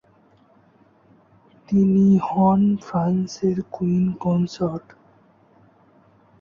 তিনি হন ফ্রান্সের কুইন কনসর্ট।